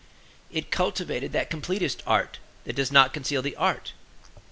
It cultivated that completest art that does not conceal the art.